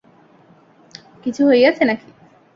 কিছু হইয়াছে নাকি।